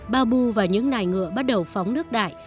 babu và những nài ngựa bắt đầu phóng nước đại